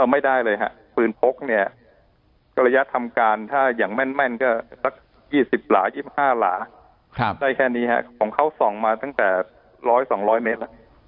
ไม่ได้เลยฮะปืนพกเนี่ยระยะทำการถ้าอย่างแม่นก็สัก๒๐หลา๒๕หลาได้แค่นี้ฮะของเขาส่องมาตั้งแต่๑๐๐๒๐๐เมตร